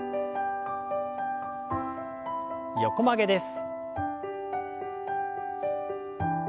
横曲げです。